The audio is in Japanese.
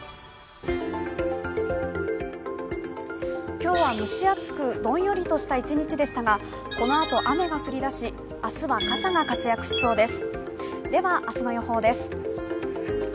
今日は蒸し暑くどんよりとした一日でしたがこのあと、雨が降りだし明日は傘が活躍しそうです。